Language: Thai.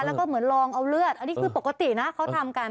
แล้วก็เหมือนลองเอาเลือดอันนี้คือปกตินะเขาทำกัน